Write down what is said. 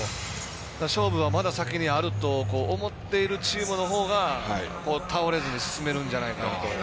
勝負は、まだ先にあると思っているチームのほうが倒れずに進めるんじゃないかなと。